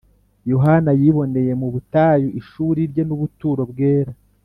Yohana yiboneye mu butayu ishuri rye n’ubuturo bwera